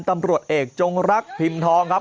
ตำรวจเอกจงรักพิมพ์ทองครับ